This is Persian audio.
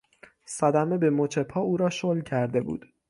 صدمه به مچ پا او را شل کرده بود.